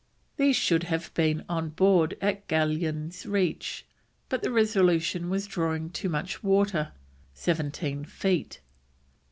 These should have been taken on board at Galleon's Reach, but the Resolution was drawing too much water seventeen feet.